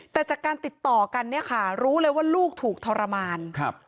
แต่จากการติดต่อกันรู้เลยว่าลูกถูกทรมาน